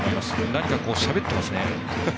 何かしゃべってますね。